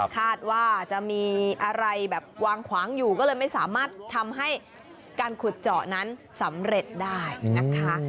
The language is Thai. คาดว่าจะมีอะไรแบบวางขวางอยู่ก็เลยไม่สามารถทำให้การขุดเจาะนั้นสำเร็จได้นะคะ